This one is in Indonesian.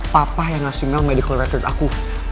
papa yang ngasih mel medical record aku